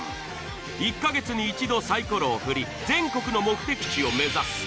１か月に１度サイコロを振り全国の目的地を目指す。